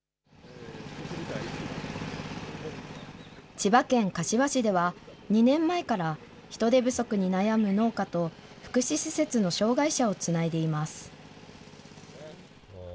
千葉県柏市では、２年前から人手不足に悩む農家と福祉施設の障害者をつないでいます。